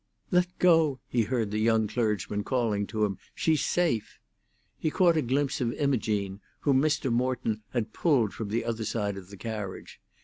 "Let go!" he heard the young clergyman calling to him; "she's safe!" He caught a glimpse of Imogene, whom Mr. Morton had pulled from the other side of the carriage.